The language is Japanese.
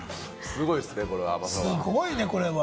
すごいね、これは。